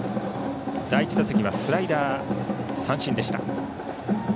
第１打席はスライダー三振でした藤田。